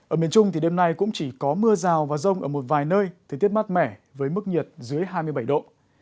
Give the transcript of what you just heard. ở miền trung thì đêm nay cũng chỉ có mưa rào và rông ở một vài nơi thời tiết mát mẻ với mức nhiệt dưới hai mươi bảy độ